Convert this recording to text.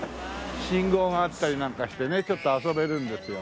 信号があったりなんかしてねちょっと遊べるんですよ